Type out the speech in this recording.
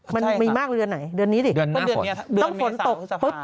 มันมีมากเหรอว่าไหนเดือนนี้สิ